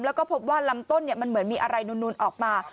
แล้วก็พบว่าลำต้นมันเหมือนมีอะไรนูนออกมา